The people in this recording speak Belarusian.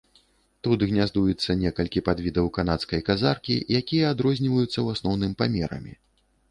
Тут гняздуецца некалькі падвідаў канадскай казаркі, якія адрозніваюцца ў асноўным памерамі.